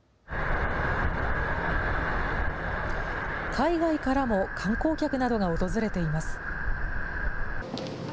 海外からも観光客などが訪れています。